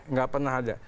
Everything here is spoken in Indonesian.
nggak pernah ada